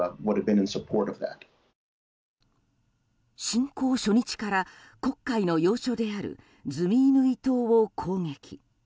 侵攻初日から黒海の要所であるズミイヌイ島を攻撃。